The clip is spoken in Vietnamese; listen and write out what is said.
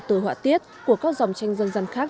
từ họa tiết của các dòng tranh dân dân khác